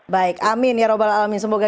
baik amin ya rabbal alamin semoga